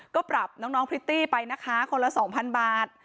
ก็ปรับน้องพริตตี้ไปนะคะคนละ๒๐๐บาท